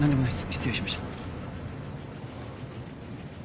失礼しました。